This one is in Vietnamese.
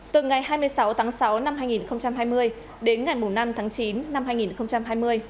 từ ngày hai mươi sáu tháng sáu năm hai nghìn hai mươi đến ngày năm tháng chín năm hai nghìn hai mươi